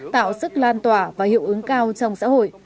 tạo sức lan tỏa và hiệu ứng cao trong xã hội